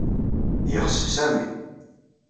Yexsef Sami.